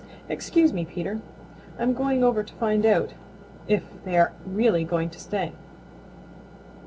Excuse me, Peter, I'm going over to find out if they are really going to stay."